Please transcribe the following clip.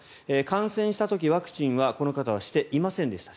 感染した時、ワクチンはこの方はしていませんでした。